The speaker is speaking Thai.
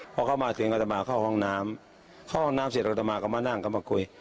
พอเข้ามาเสียงอัตมาเข้าห้องน้ำเข้าห้องน้ำเสร็จอัตมาก็มานั่งก็มาคุย